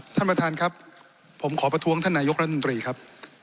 ท่านประธานครับผมขอประท้วงท่านนายกรัฐมนตรีครับ